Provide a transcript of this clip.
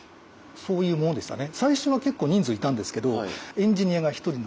そういうものでしたね。